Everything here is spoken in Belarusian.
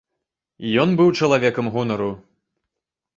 Ён быў чалавекам гонару.